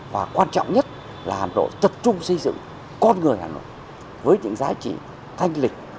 và quan trọng nhất là hà nội tập trung xây dựng con người hà nội với những giá trị thanh lịch